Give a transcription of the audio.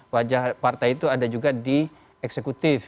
wajah partai itu ada juga di eksekutif